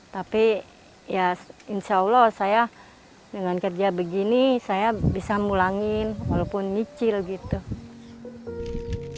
tapi ya insya allah saya dengan kerja begini saya bisa mulangin walaupun nyicil gitu